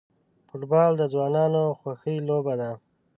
فوټبال د ځوانانو خوښی لوبه ده.